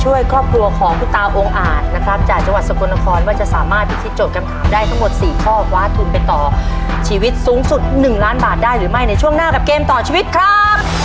ว่าจะสามารถพิษจดกรรมถามได้ทั้งหมด๔ข้อคว้าทุนไปต่อชีวิตสูงสุด๑ล้านบาทได้หรือไม่ในช่วงหน้ากับเกมต่อชีวิตครับ